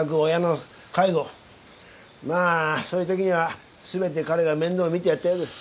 まあそういうときには全て彼が面倒を見てやったようです。